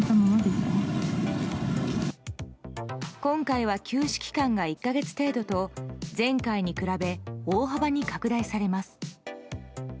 今回は休止期間が１か月程度と前回に比べ、大幅に拡大されます。